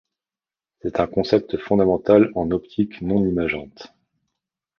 C'est un concept fondamental en optique non imageante.